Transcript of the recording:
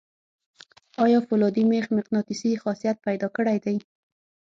آیا فولادي میخ مقناطیسي خاصیت پیدا کړی دی؟